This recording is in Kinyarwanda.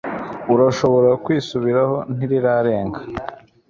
urashobora kwisubiraho ntirirarenga